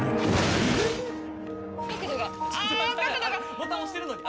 ボタン押してるのに！